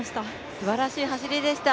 すばらしい走りでした。